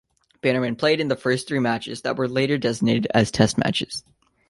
Bannerman played in the first three matches that were later designated as Test matches.